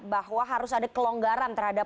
bahwa harus ada kelonggaran terhadap